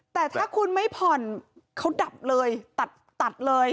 แต่ถ้าคุณไม่ผ่อนเขาดับเลยตัดเลย